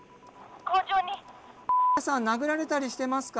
殴られたりしてますか？